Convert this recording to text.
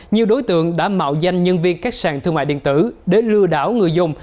nhiều đối tượng đã mạo danh nhân viên các sàn thương mại điện tử để lừa đảo người dùng